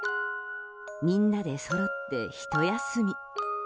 みんなでそろって、ひと休み。